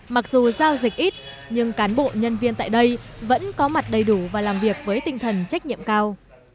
mặc dù giao dịch ít nhưng cán bộ nhân viên tại đây vẫn có mặt đầy đủ và làm việc với tinh thần trách nhiệm cao